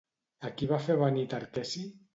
A qui va fer venir Tarqueci?